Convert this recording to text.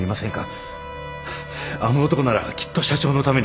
あの男ならきっと社長のために。